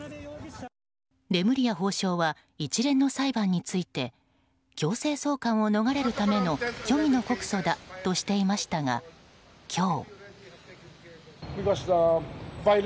レムリヤ法相は一連の裁判について強制送還を逃れるための虚偽の告訴だとしていましたが今日。